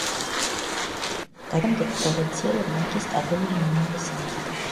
გადატანილი არეულობების შემდეგ, ფლორენციელებმა იგი სტაბილური მომავლის იმედით აირჩიეს.